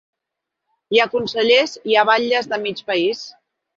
Hi ha consellers, hi ha batlles de mig país.